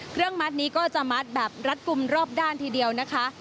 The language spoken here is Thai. เครื่องมัดนี้ก็จะมัดแบบรัดกลุ่มรอบด้านทีเดียวนะคะ